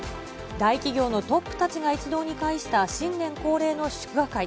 大企業のトップたちが一堂に会した新年恒例の祝賀会。